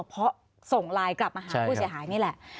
เพราะส่งไลน์กลับมาหาผู้เสียหายนี่แหละ